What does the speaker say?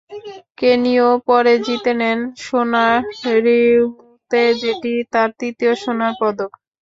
কেনিও পরে জিতে নেন সোনা, রিওতে যেটি তাঁর তৃতীয় সোনার পদক।